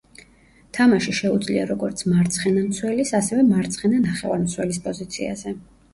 თამაში შეუძლია როგორც მარცხენა მცველის, ასევე მარცხენა ნახევარმცველის პოზიციაზე.